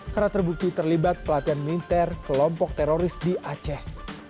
karena terbukti terlibat pelatihan militer kelompok teroris di aceh